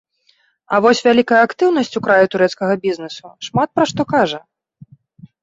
А вось вялікая актыўнасць у краі турэцкага бізнэсу шмат пра што кажа.